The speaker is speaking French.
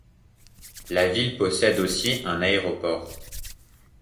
La ville possède aussi un aéroport.